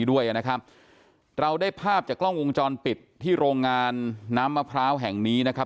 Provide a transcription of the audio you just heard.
ด้วยนะครับเราได้ภาพจากกล้องวงจรปิดที่โรงงานน้ำมะพร้าวแห่งนี้นะครับ